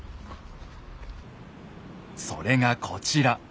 それがこちら。